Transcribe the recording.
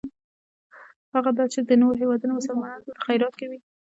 هغه دا چې د نورو هېوادونو مسلمانان دلته خیرات کوي.